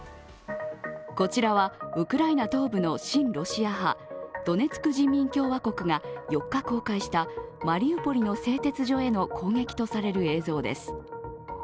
こちらはウクライナ東部の親ロシア派ドネツク人民共和国が４日、公開したマリウポリの製鉄所への攻撃とされる映像です。